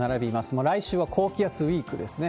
もう来週は高気圧ウイークですね。